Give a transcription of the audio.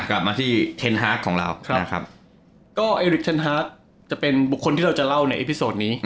เจ็บไม่หนักครับแต่ด้วยฟอร์มจะติดไม่ติดว่ากันอีกที